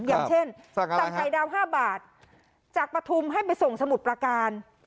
อย่างเช่นสั่งไข่ดาว๕บาทจากปฐุมให้ไปส่งสมุทรประการ